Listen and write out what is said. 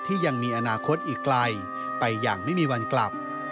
ยังมีอนาคตอีกไกลไปอย่างไม่มีวันกลับ